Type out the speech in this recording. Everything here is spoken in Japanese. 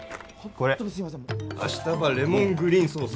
これ明日葉・檸檬グリーンソース